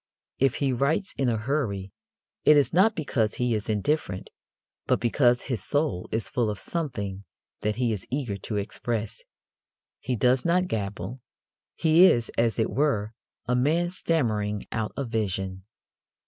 If he writes in a hurry, it is not because he is indifferent, but because his soul is full of something that he is eager to express. He does not gabble; he is, as it were, a man stammering out a vision.